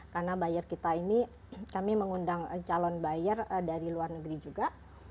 karena buyer kita ini kami mengundang calon buyer dari luar negeri juga